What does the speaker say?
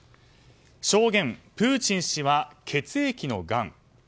証言、プーチン氏は血液のがん。